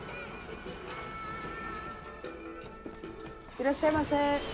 いらっしゃいませ。